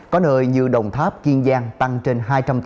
có nơi như đồng tháp kiên giang tăng trên hai trăm tám mươi